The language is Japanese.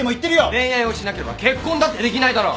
恋愛をしなければ結婚だってできないだろ！